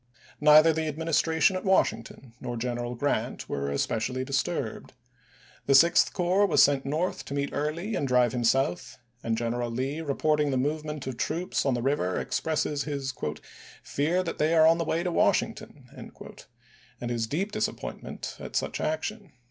Neither the Administration at Washington nor General Grant were especially disturbed. The Sixth Corps was sent north to meet Early and drive him south, and General Lee reporting the movement of troops on the river expresses his " fear that they are on the way to Washington," and his deep disappointment July 7, 1864, at such action.